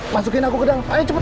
masukin aku ke dalam ayo cepat